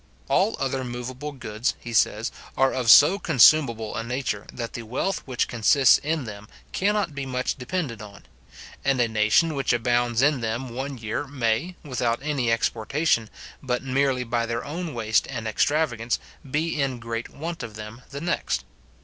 All other moveable goods, he says, are of so consumable a nature, that the wealth which consists in them cannot be much depended on; and a nation which abounds in them one year may, without any exportation, but merely by their own waste and extravagance, be in great want of them the next.